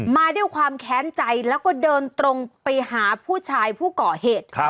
มาด้วยความแค้นใจแล้วก็เดินตรงไปหาผู้ชายผู้ก่อเหตุ